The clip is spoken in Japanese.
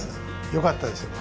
よかったですよ